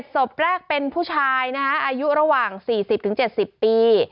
ศพแรกเป็นผู้ชายนะคะอายุระหว่าง๔๐๗๐ปี